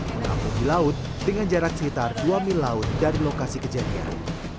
mengapung di laut dengan jarak sekitar dua mil laut dari lokasi kejadian